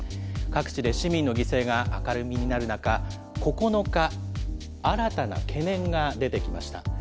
各地で市民の犠牲が明るみになる中、９日、新たな懸念が出てきました。